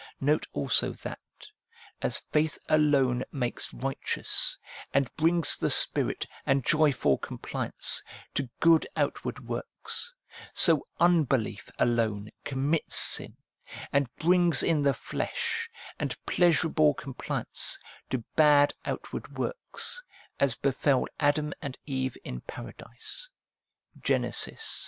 Note also that, as faith alone makes righteous, and brings the Spirit, and joyful compliance, to good outward works, so unbelief alone commits sin, and brings in the flesh, and pleasurable compliance, to bad outward works, as befell Adam and Eve in Paradise (Gen. iii.